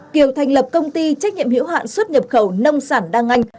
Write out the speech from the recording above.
kiều thành lập công ty trách nhiệm hiểu hạn xuất nhập khẩu nông sản đăng anh